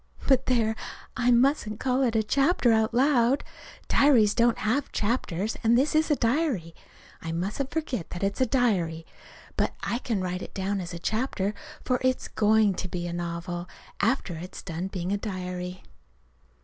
But, there I mustn't call it a "chapter" out loud. Diaries don't have chapters, and this is a diary. I mustn't forget that it's a diary. But I can write it down as a chapter, for it's going to be a novel, after it's got done being a diary.